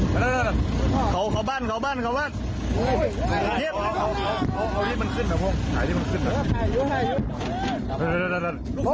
ขึ้นหนึ่งนะขอบ้านขอบ้านขอบ้าน